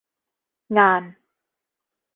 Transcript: งาน